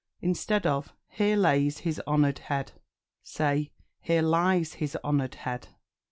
Instead of "Here lays his honoured head," say "Here lies his honoured head."